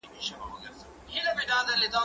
زه اوس کتابتوننۍ سره وخت تېرووم؟